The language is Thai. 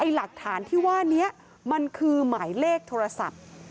หลักฐานที่ว่านี้มันคือหมายเลขโทรศัพท์